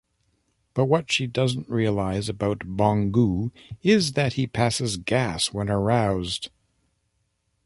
But what she doesn't realize about Bong-goo, is that he passes gas when aroused.